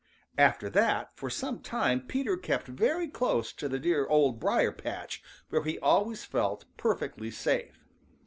After that for some time Peter kept very close to the dear Old Briar patch, where he always felt perfectly safe.